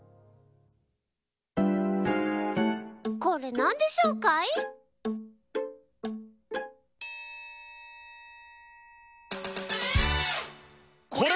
これなんでしょうかい？